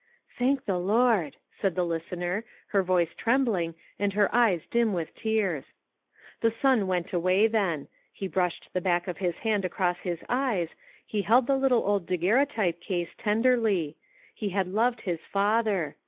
" Thank the Lord," said the listener, her voice trembling and her eyes dim with tears. The son went away then. He brushed LIGHT OUT OF DARKNESS. 427 the back of his hand across his eyes, he held the little old daguerreotype case ten derly; he had loved his father.